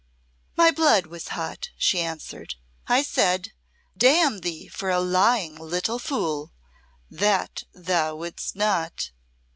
"My blood was hot," she answered. "I said, 'Damn thee for a lying little fool!' That thou wouldst not!"